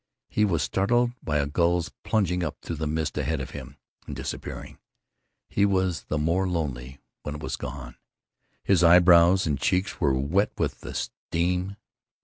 He was startled by a gull's plunging up through the mist ahead of him, and disappearing. He was the more lonely when it was gone. His eyebrows and cheeks were wet with the steam.